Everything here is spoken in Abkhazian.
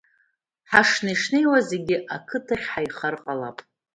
Ҳашнеи-шнеиуа зегьы ақыҭахь ҳаихар ҟалап…